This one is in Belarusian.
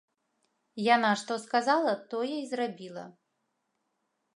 Яна, што сказала, тое й зрабіла.